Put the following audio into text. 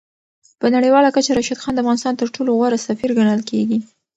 په نړیواله کچه راشد خان د افغانستان تر ټولو غوره سفیر ګڼل کېږي.